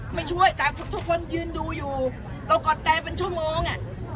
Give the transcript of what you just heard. ไม่ช่วยแต่ทุกคนยืนดูอยู่เรากอดแตเป็นชั่วโมง